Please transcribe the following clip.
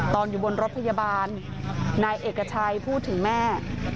อยู่บนรถพยาบาลนายเอกชัยพูดถึงแม่